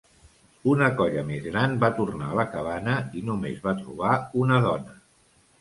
Una colla més gran va tornar a la cabana i només va trobar una dona.